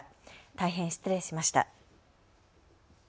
大変失礼しました。